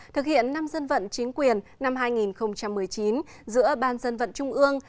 thực hiện năm dân vận chính quyền năm hai nghìn một mươi chín giữa ban dân vận trung ương